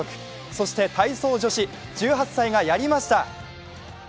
そして体操女子、１８歳がやりました。